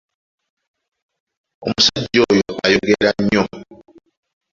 Omusajja oyo ayogera nnyo.